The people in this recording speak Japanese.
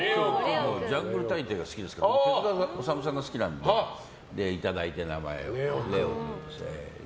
「ジャングル大帝」が好きで手塚治虫さんが好きなのでいただいて、名前を。